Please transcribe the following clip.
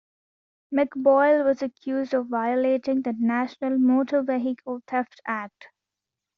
McBoyle was accused of violating the National Motor Vehicle Theft Act.